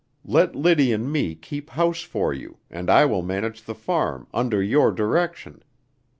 Let Liddy and me keep house for you, and I will manage the farm, under your direction.